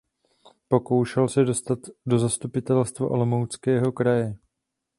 Pokoušel se dostat do Zastupitelstva Olomouckého kraje.